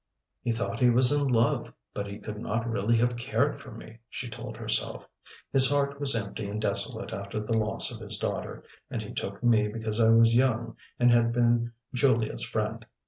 "He thought he was in love, but he could not really have cared for me," she told herself. "His heart was empty and desolate after the loss of his daughter, and he took me because I was young and had been Giulia's friend."